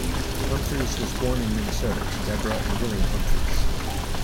Humphries was born in Minnesota to Debra and William Humphries.